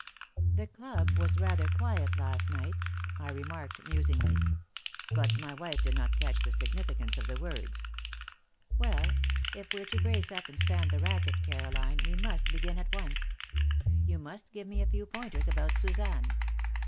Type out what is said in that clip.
"The club was rather quiet last night," I remarked, musingly; but my wife did not catch the significance of the words. "Well, if we're to brace up and stand the racket, Caroline, we must begin at once. You must give me a few pointers about Suzanne.